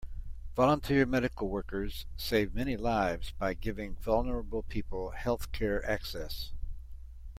Volunteer Medical workers save many lives by giving vulnerable people health-care access